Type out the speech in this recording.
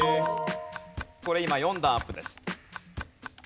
これ今４段アップです。